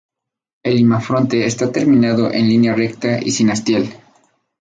El imafronte está terminado en línea recta y sin hastial.